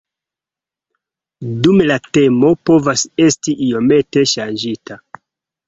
Dume la temo povas esti iomete ŝanĝita.